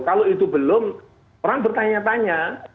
kalau itu belum orang bertanya tanya